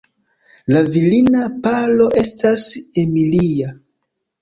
La virina paro estas Emilia.